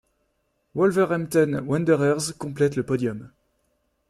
Wolverhampton Wanderers complète le podium.